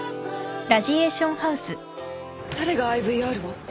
誰が ＩＶＲ を？